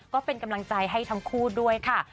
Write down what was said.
ก็เป็นกำลังใจให้ทั้งคู่ด้วยค่ะ